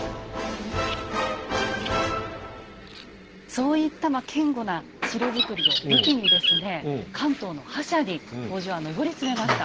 そういったまあ堅固な城造りを武器にですね関東の覇者に北条は上り詰めました。